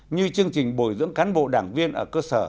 như chương trình bồi dưỡng cán bộ đảng viên ở cơ sở